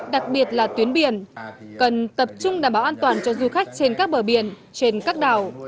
đặc biệt là tuyến biển cần tập trung đảm bảo an toàn cho du khách trên các bờ biển trên các đảo